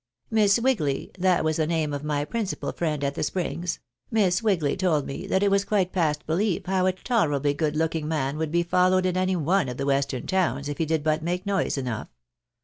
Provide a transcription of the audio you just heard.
Miss Wigly (that was the name of my principal friend at the Springs) Miss Wigly told me that it was quite past behef how a tolerably good looking man would be followed in any one of the western towns, if he did but make noise enough.